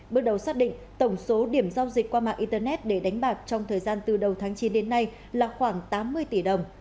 bước đầu xác định tổng số điểm giao dịch qua mạng internet để đánh bạc trong thời gian từ đầu tháng chín đến nay là khoảng tám mươi tỷ đồng